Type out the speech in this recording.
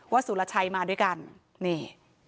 สุรชัยมาด้วยกันนี่